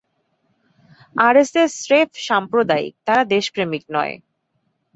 RSS স্রেফ সাম্প্রদায়িক, তারা দেশপ্রেমিক নয়।